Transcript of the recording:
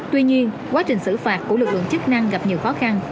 tuy nhiên quá trình xử phạt của lực lượng chức năng gặp nhiều khó khăn